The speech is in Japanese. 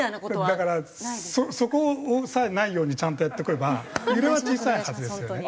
だからそこさえないようにちゃんとやっておけば揺れは小さいはずですよね。